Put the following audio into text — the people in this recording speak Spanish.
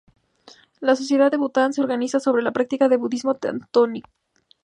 La sociedad de Bután se organiza sobre la práctica del budismo tántrico.